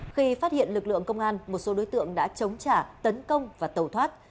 khi phát hiện lực lượng công an một số đối tượng đã chống trả tấn công và tàu thoát